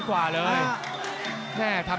โหโหโหโห